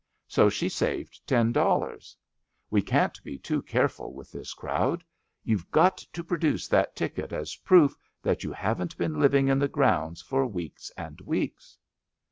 So she saved ten dollars. We can't be too careful with this crowd. You've got to produce that ticket as proof that you haven't been living in the grounds for weeks and weeks.